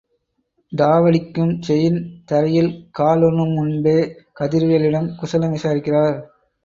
டாவடிக்கும் chain தரையில் காலூன்னும் முன்பே கதிர்வேலிடம் குசலம் விசாரிக்கிறார்.